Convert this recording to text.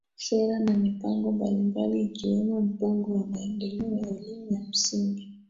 Sera na mipango mbalimbali ikiwemo mpango wa maendeleo ya elimu ya msingi